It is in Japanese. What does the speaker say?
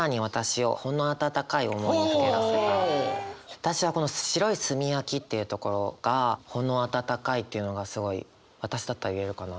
私はこの「白い炭焼」っていうところが「仄温かい」っていうのがすごい私だったら入れるかなと思いましたね。